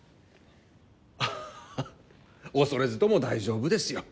ハハ恐れずとも大丈夫ですよ。